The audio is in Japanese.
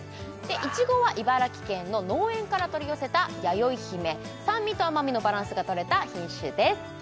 いちごは茨城県の農園から取り寄せたやよいひめ酸味と甘みのバランスがとれた品種です